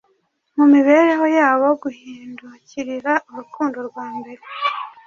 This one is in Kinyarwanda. mu mibereho yabo guhindukirira urukundo rwa mbere